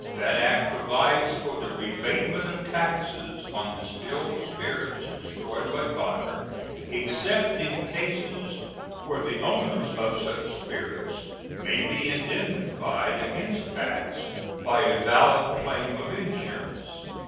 That act provides for the rebatement of taxes on distilled spirits destroyed by fire, except in cases where the owners of such spirits may be indemnified against tax by a valid claim of insurance.